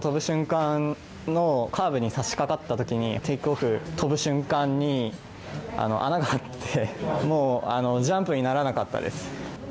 跳ぶ瞬間のカーブに差し掛かったときにテイクオフ跳ぶ瞬間に穴があってもうジャンプにならなかったです。